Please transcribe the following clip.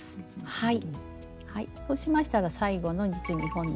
はい。